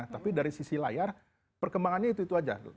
tapi dari sisi layar perkembangannya itu saja